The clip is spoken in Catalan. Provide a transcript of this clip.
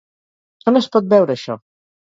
On es pot veure això?